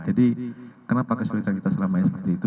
jadi kenapa kesulitan kita selamanya seperti itu